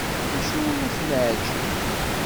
D acu ur ak-neεǧib?